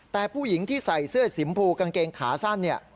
แต่ผู้หญิงที่ใส่เสื้อสีมพูกางเกงขาสั้นเนี่ย